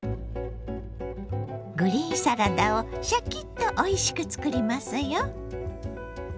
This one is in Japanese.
グリーンサラダをシャキッとおいしく作りますよ。